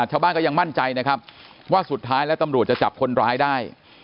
ชาวบ้านก็ยังมั่นใจนะครับว่าสุดท้ายแล้วตำรวจจะจับคนร้ายได้